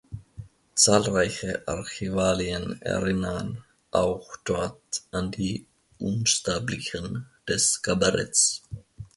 Zahlreiche Archivalien erinnern auch dort an die „Unsterblichen“ des Kabaretts.